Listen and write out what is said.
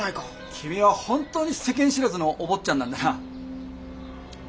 君は本当に世間知らずのお坊ちゃんなんだな。